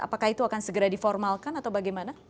apakah itu akan segera diformalkan atau bagaimana